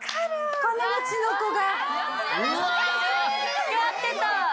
・使ってた！